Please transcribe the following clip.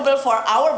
berharga untuk kita